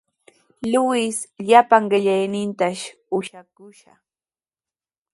Luis llapan qellaynintashi ushaskishqa.